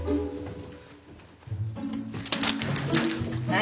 何？